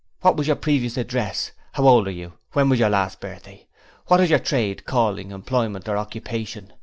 'What was your previous address?' 'How old are you? When was your last birthday?' 'What is your Trade, Calling, Employment, or Occupation?'